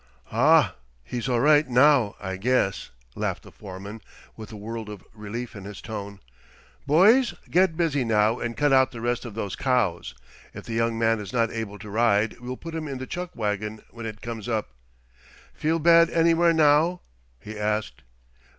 "Ah! He's all right now, I guess," laughed the foreman, with a world of relief in his tone. "Boys, get busy now and cut out the rest of those cows. If the young man is not able to ride we'll put him in the chuck wagon when it comes up. Feel bad anywhere, now?" he asked.